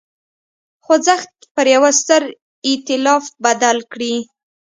خوځښت پر یوه ستر اېتلاف بدل کړي.